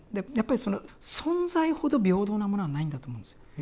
やっぱりその存在ほど平等なものはないんだと思うんですよ。